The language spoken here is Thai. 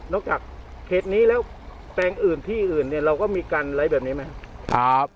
จากเขตนี้แล้วแปลงอื่นที่อื่นเนี่ยเราก็มีการไลค์แบบนี้ไหมครับ